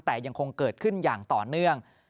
แต่ยังคงเกิดขึ้นอย่างต่อเนื่อง